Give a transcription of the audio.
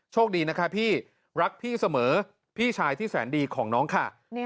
โชคดีนะคะพี่รักพี่เสมอพี่ชายที่แสนดีของน้องค่ะ